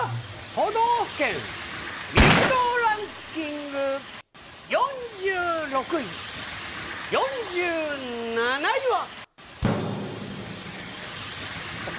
都道府県魅力度ランキング４６位、４７位は。